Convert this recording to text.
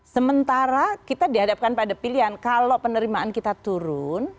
sementara kita dihadapkan pada pilihan kalau penerimaan kita turun